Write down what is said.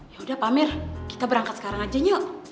yaudah pamir kita berangkat sekarang aja nyok